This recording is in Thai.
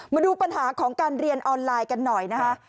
มาดูปัญหาของการเรียนออนไลน์กันหน่อยนะคะ